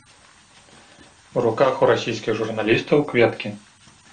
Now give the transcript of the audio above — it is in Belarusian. У руках у расійскіх журналістаў кветкі.